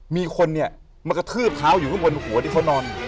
มีคนเนี่ยมากระทืบเท้าอยู่ข้างบนหัวที่เขานอน